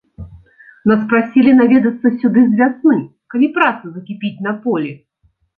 Нас прасілі наведацца сюды з вясны, калі праца закіпіць на полі.